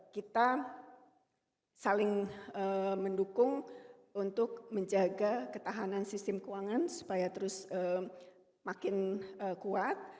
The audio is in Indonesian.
kita saling mendukung untuk menjaga ketahanan sistem keuangan supaya terus makin kuat